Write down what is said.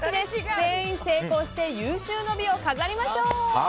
全員成功して有終の美を飾りましょう！